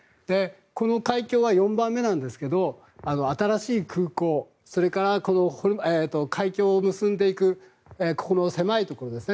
この海峡は４番目なんですが新しい空港それから海峡を結んでいくこの狭いところですね。